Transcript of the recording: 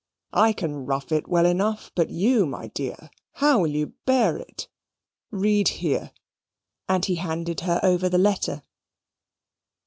I can rough it well enough; but you, my dear, how will you bear it? read here." And he handed her over the letter.